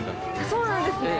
そうなんですね。